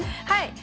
はい。